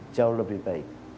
jauh lebih baik